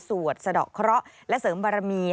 สวดสะดอกเคราะห์และเสริมปรามี